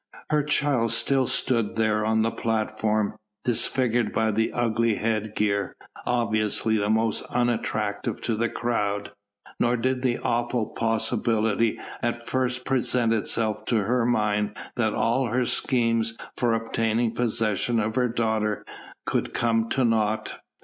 Her child still stood there on the platform, disfigured by the ugly headgear, obviously most unattractive to the crowd; nor did the awful possibility at first present itself to her mind that all her schemes for obtaining possession of her daughter could come to naught.